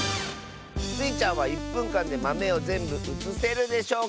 スイちゃんは１ぷんかんでまめをぜんぶうつせるでしょうか？